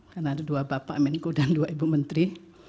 karena ada dua bapak menko dan dua ibu menteri